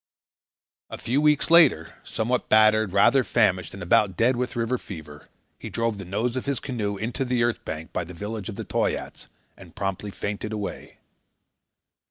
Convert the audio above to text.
A few weeks later, somewhat battered, rather famished, and about dead with river fever, he drove the nose of his canoe into the earth bank by the village of the Toyaats and promptly fainted away.